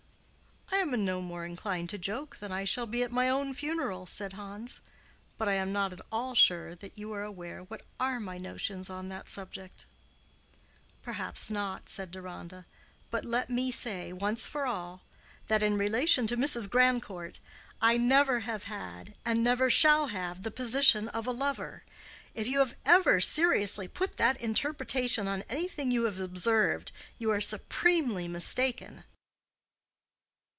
"I am no more inclined to joke than I shall be at my own funeral," said Hans. "But I am not at all sure that you are aware what are my notions on that subject." "Perhaps not," said Deronda. "But let me say, once for all, that in relation to Mrs. Grandcourt, I never have had, and never shall have the position of a lover. If you have ever seriously put that interpretation on anything you have observed, you are supremely mistaken."